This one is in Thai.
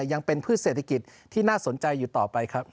ยังเป็นพืชเศรษฐกิจที่น่าสนใจอยู่ต่อไปครับ